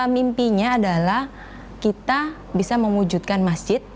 mimpinya adalah kita bisa mewujudkan masjid